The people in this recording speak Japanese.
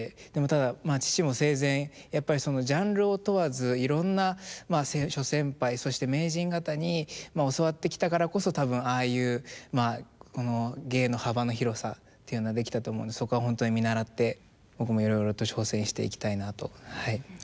ただ父も生前やっぱりジャンルを問わずいろんな諸先輩そして名人方に教わってきたからこそ多分ああいう芸の幅の広さというのはできたと思うのでそこは本当に見習って僕もいろいろと挑戦していきたいなとはい思います。